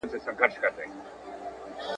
پر وطن يې جوړه كړې كراري وه `